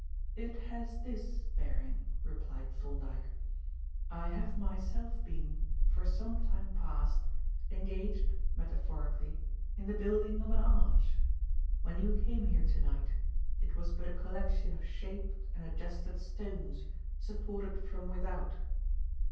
"It has this bearing," replied Thorndyke. "I have myself been, for some time past, engaged, metaphorically, in the building of an arch. When you came here to night, it was but a collection of shaped and adjusted stones, supported from without.